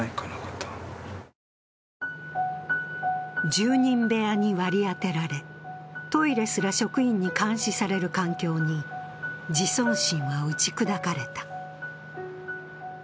１０人部屋に割り当てられ、トイレすら職員に監視される環境に自尊心は打ち砕かれた。